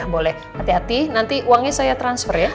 boleh hati hati nanti uangnya saya transfer ya